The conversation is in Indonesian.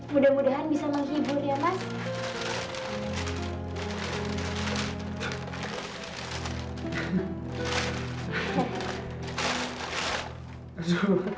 mudah mudahan bisa menghibur ya mas